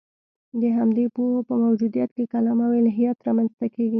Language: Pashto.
د همدې پوهو په موجودیت کې کلام او الهیات رامنځته کېږي.